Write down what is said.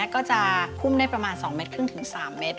ก็จะพุ่มได้ประมาณ๒๕๓เม็ด